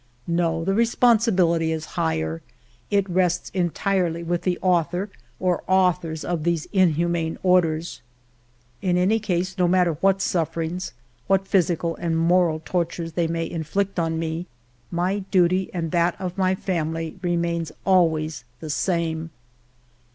No, the responsibility is higher ; it rests en tirely with the author or authors of these inhu man orders. In any case, no matter what sufferings, what physical and moral tortures they may inflict on me, my duty and that of my family remains al ways the same.